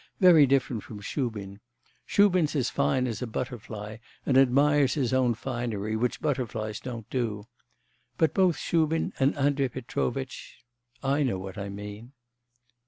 Very different from Shubin. Shubin's as fine as a butterfly, and admires his own finery; which butterflies don't do. But both Shubin and Andrei Petrovitch.... I know what I mean.